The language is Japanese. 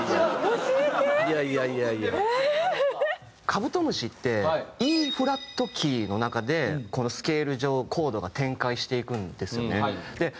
『カブトムシ』ってＥ♭キーの中でこのスケール上コードが展開していくんですよね。